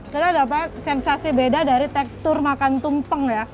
kita dapat sensasi beda dari tekstur makan tumpeng ya